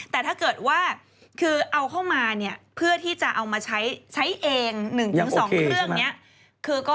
แต่ถ้าเกิดเอาเข้ามาเพื่อที่จะเอามาใช้เอง๑๒เครื่องนี้